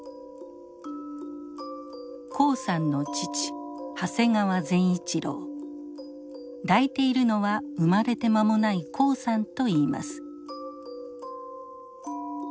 黄さんの父抱いているのは生まれて間もない黄さんといいます。